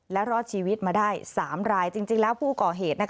และรอดชีวิตมาได้๓รายจริงแล้วผู้ก่อเหตุ